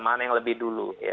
mana yang lebih dulu